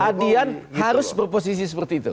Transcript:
adian harus berposisi seperti itu